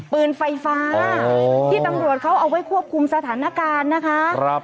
ปืนไฟฟ้าที่ตำรวจเขาเอาไว้ควบคุมสถานการณ์นะคะ